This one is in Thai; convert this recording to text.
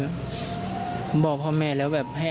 ลูกนั่นแหละที่เป็นคนผิดที่ทำแบบนี้